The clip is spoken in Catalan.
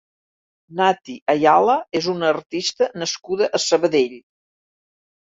Nati Ayala és una artista nascuda a Sabadell.